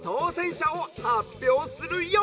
しゃをはっぴょうするＹＯ！」。